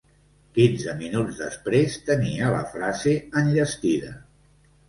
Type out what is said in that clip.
Quinze minuts després tenia la frase enllestida.